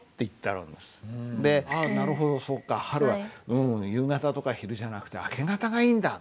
で「ああなるほどそっか春は夕方とか昼じゃなくて明け方がいいんだ。